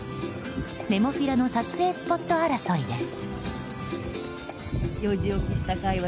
ネモフィラの撮影スポット争いです。